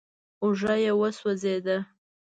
اوږه يې وسوځېده.